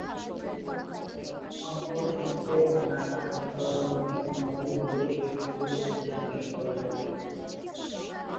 অপরদিকে রানার্স-আপ দল মুখোমুখি হবে এইচ গ্রুপের চ্যাম্পিয়ন দলের।